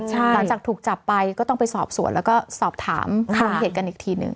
หลังจากถูกจับไปก็ต้องไปสอบสวนแล้วก็สอบถามมูลเหตุกันอีกทีหนึ่ง